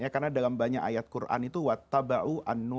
karena dalam banyak ayat quran itu